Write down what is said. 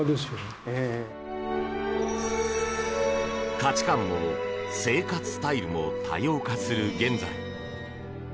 価値観も生活スタイルも多様化する現在。